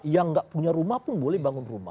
yang nggak punya rumah pun boleh bangun rumah